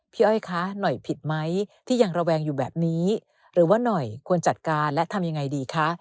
อ้อยคะหน่อยผิดไหมที่ยังระแวงอยู่แบบนี้หรือว่าหน่อยควรจัดการและทำยังไงดีคะ